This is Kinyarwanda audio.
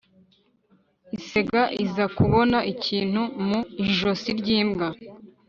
isega iza kubona ikintu mu ijosi ry'imbwa,